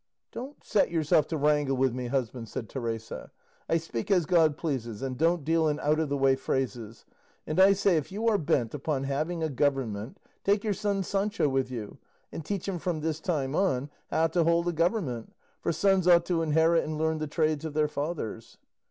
"Don't set yourself to wrangle with me, husband," said Teresa; "I speak as God pleases, and don't deal in out of the way phrases; and I say if you are bent upon having a government, take your son Sancho with you, and teach him from this time on how to hold a government; for sons ought to inherit and learn the trades of their fathers."